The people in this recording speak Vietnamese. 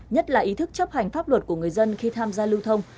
nhất là ý thức chấp hành pháp luật của người dân khi tham gia lưu thông